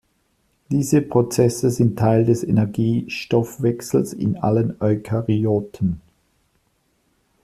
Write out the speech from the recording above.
Diese Prozesse sind Teil des Energiestoffwechsels in allen Eukaryoten.